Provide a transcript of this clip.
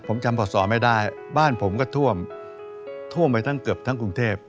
ผมจำส่อไม่ได้บ้านผมก็ท่วมท่วมไปทั้งเกือบทั้งกรุงเทพ